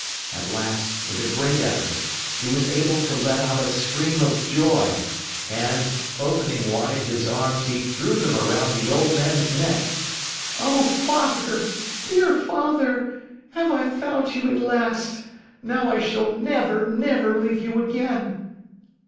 At last, with a great effort, he was able to let out a scream of joy and, opening wide his arms he threw them around the old man's neck. "Oh, Father, dear Father! Have I found you at last? Now I shall never, never leave you again!"